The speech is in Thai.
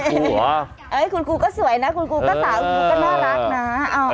คุณครูก็สวยนะคุณครูก็สาวคุณครูก็น่ารักนะ